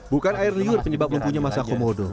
bukan air liur penyebab lumpuhnya masa komodo